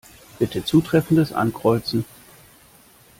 Bitte Zutreffendes Ankreuzen.